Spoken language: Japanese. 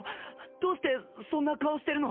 どうしてそんな顔してるの？